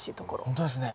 ほんとですね。